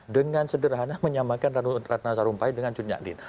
dengan sederhana menyamakan ratna sarumpahit dengan curnyak din